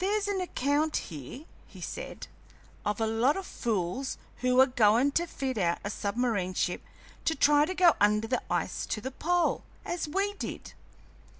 "There's an account here," he said, "of a lot o' fools who are goin' to fit out a submarine ship to try to go under the ice to the pole, as we did.